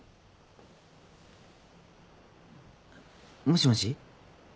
もしもし？